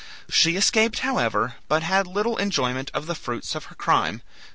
She escaped, however, but had little enjoyment of the fruits of her crime.